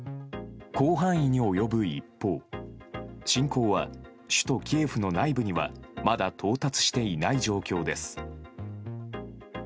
広範囲に及ぶ一方侵攻は首都キエフの内部にはまだ到達していない状況です。